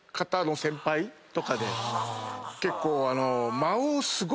結構。